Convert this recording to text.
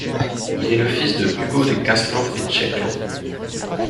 Il est le fils de Ugo de Castro Ficeclo.